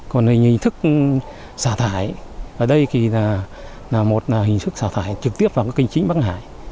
còn về hình thức xả thải ở đây thì là một hình thức xả thải trực tiếp vào kênh chính bắc hải